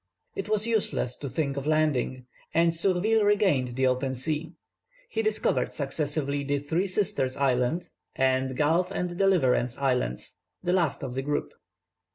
It was useless to think of landing, and Surville regained the open sea. He discovered successively the Three Sisters Island, and Gulf and Deliverance Islands, the last of the group.